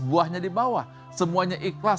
buahnya di bawah semuanya ikhlas